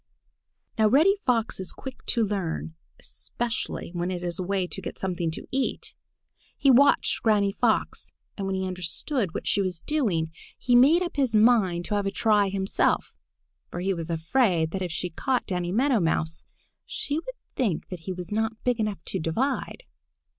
Now Reddy Fox is quick to learn, especially when it is a way to get something to eat. He watched Granny Fox, and when he understood what she was doing, he made up his mind to have a try himself, for he was afraid that if she caught Danny Meadow Mouse, she would think that he was not big enough to divide.